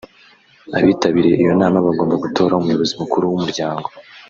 Abitabiriye iyo nama bagomba gutora umuyobizi mukuru w’umuryango